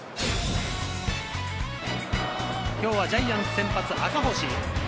今日はジャイアンツ先発・赤星。